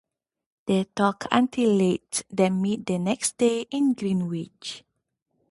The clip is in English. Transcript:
They talk until late, then meet the next day in Greenwich.